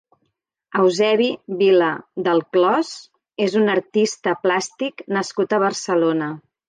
Eusebi Vila Delclòs és un artista plàstic nascut a Barcelona.